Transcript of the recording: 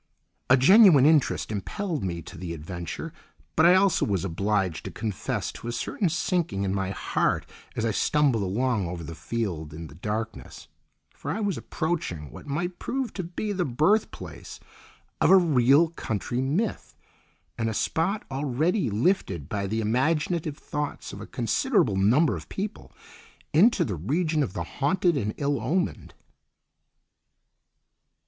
A genuine interest impelled me to the adventure, but I also was obliged to confess to a certain sinking in my heart as I stumbled along over the field in the darkness, for I was approaching what might prove to be the birth place of a real country myth, and a spot already lifted by the imaginative thoughts of a considerable number of people into the region of the haunted and ill omened.